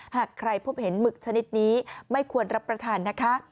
หากใครพบเห็นหมึกชนิดนี้ไม่ควรรับประทานนะคะ